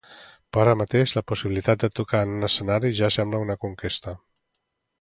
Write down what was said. Però ara mateix, la possibilitat de tocar en un escenari ja sembla una conquesta.